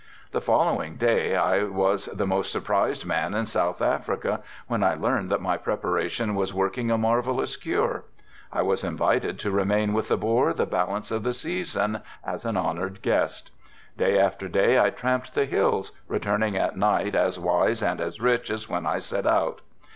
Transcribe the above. The following day I was the most surprised man in South Africa when I learned that my preparation was working a marvellous cure. I was invited to remain with the Boer the balance of the season as an honored guest. Day after day I tramped the hills, returning at night as wise and as rich as when I set out.